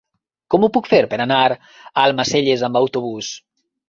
Com ho puc fer per anar a Almacelles amb autobús?